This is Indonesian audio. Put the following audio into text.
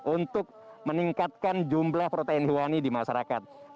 untuk meningkatkan jumlah protein hewani di masyarakat